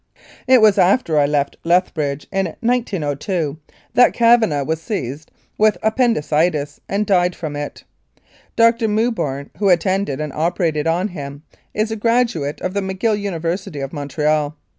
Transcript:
It was after I left Lethbridge in 1902 that Cavanah was seized with appendicitis and died from it. Dr. Mewburn, who attended and operated on him, is a graduate of the McGill University of Montreal.